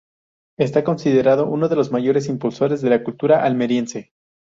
Está considerado uno de los mayores impulsores de la cultura almeriense.